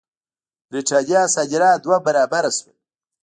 برېټانیا صادرات دوه برابره شول.